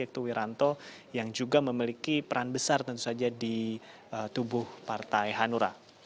yaitu wiranto yang juga memiliki peran besar tentu saja di tubuh partai hanura